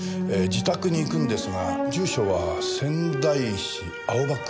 自宅に行くんですが住所は仙台市青葉区。